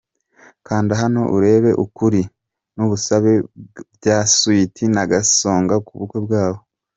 Kanda hano urebe ukuri n'ubusabe bya Sweety na Gasongo ku bukwe bwabo.